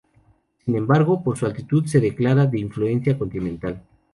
Sin embargo, por su altitud, se declara de influencia continental.